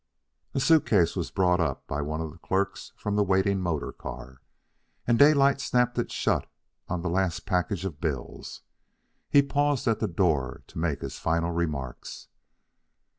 A suit case was brought up by one of the clerks from the waiting motor car, and Daylight snapped it shut on the last package of bills. He paused at the door to make his final remarks.